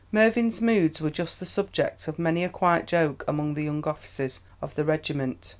Mervyn's moods were the subject of many a quiet joke among the young officers of the regiment.